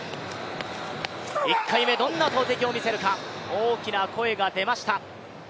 １回目、どんな投てきを見せるか、大きな声が出ました。